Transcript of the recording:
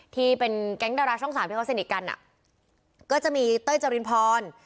ที่เป็นแก๊งดาราช่องสามที่เขาสนิทกันอ่ะก็จะมีเต้ยจรินพร